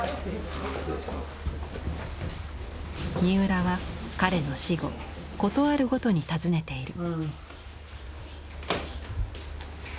三浦は彼の死後事あるごとに訪ねている。